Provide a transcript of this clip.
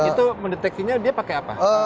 itu mendeteksinya dia pakai apa